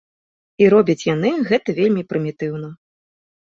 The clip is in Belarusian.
І робяць яны гэта вельмі прымітыўна.